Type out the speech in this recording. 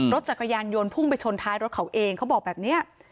รถจักรยานยนต์พุ่งไปชนท้ายรถเขาเองเขาบอกแบบนี้